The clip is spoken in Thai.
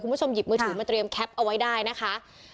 คุณผู้ชมหยิบมือถือมาเตรียมแคปเอาไว้ได้นะคะ